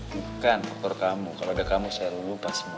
bukan faktor kamu kalau ada kamu saya lupa semua